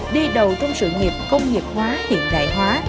đi đầu trong sự nghiệp công nghiệp hóa hiện đại hóa